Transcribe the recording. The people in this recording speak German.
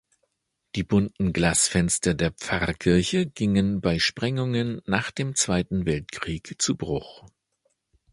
Die bunten Glasfenster der Pfarrkirche gingen bei Sprengungen nach dem Zweiten Weltkrieg zu Bruch.